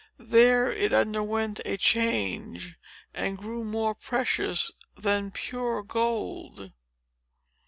There it underwent a change, and grew more precious than pure gold.